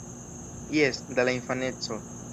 Jes, de la infaneco!